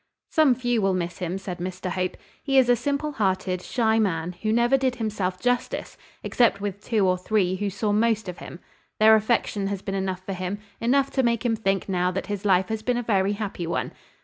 "Some few will miss him," said Mr Hope. "He is a simple hearted, shy man, who never did himself justice, except with two or three who saw most of him. Their affection has been enough for him enough to make him think now that his life has been a very happy one.